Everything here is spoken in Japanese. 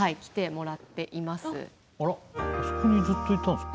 あらっあそこにずっといたんですか。